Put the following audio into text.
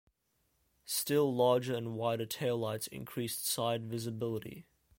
Still larger and wider taillights increased side visibility.